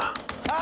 あ！